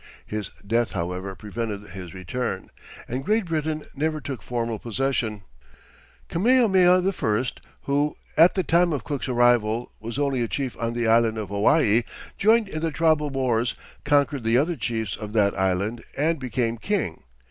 His death, however, prevented his return, and Great Britain never took formal possession. Kamehameha I, who, at the time of Cook's arrival, was only a chief on the island of Hawaii, joined in the tribal wars, conquered the other chiefs of that island, and became king.